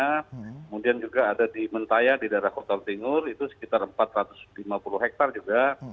kemudian juga ada di mentaya di daerah kota timur itu sekitar empat ratus lima puluh hektare juga